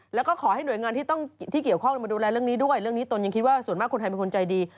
แล้วก็ขอให้หน่วยงานที่ต้องที่เกี่ยวข้องมาดูแลเรื่องนี้ด้วยเรื่องนี้ตนยังคิดว่าส่วนมากคนไทยเป็นคนใจดี